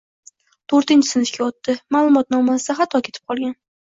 Toʻrtinchi sinfga oʻtdi… Maʼlumotnomasida xato ketib qolgan